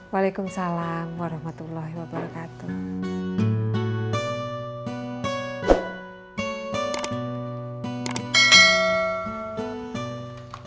waalaikumsalam warahmatullahi wabarakatuh